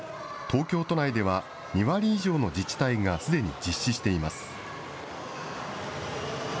東京都内では、２割以上の自治体がすでに実施しています。